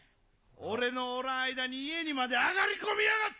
俺のおらん間に、家にまで上がり込みやがって。